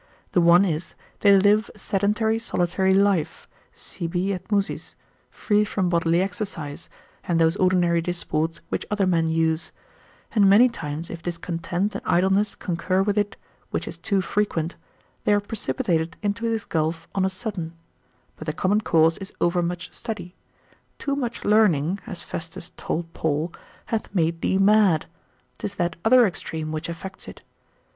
The one is, they live a sedentary, solitary life, sibi et musis, free from bodily exercise, and those ordinary disports which other men use: and many times if discontent and idleness concur with it, which is too frequent, they are precipitated into this gulf on a sudden: but the common cause is overmuch study; too much learning (as Festus told Paul) hath made thee mad; 'tis that other extreme which effects it.